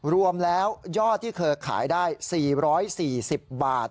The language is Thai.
รวมแล้วยอดที่เคยขายได้๔๔๐บาท